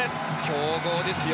強豪ですよ。